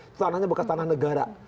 tanahnya bekas tanah negara